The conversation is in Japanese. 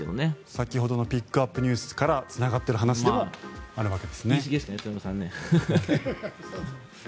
先ほどのピックアップＮＥＷＳからつながっている話でもあるわけですね。